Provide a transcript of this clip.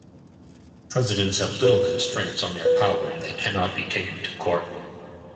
Presidents have little constraints on their power and they cannot be taken to court.